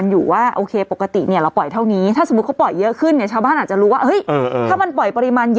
๑ลูกบาทเมตรเท่ากับ๑๐๐๐ลิตร